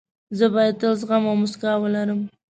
زه باید تل زغم او موسکا ولرم.